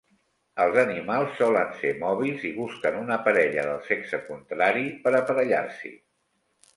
Els animals solen ser mòbils i busquen una parella del sexe contrari per aparellar-s'hi.